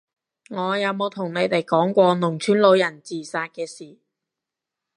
我有冇同你哋講過農村老人自殺嘅事？